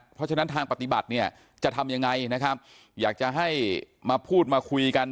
เพราะฉะนั้นทางปฏิบัติเนี่ยจะทำยังไงนะครับอยากจะให้มาพูดมาคุยกัน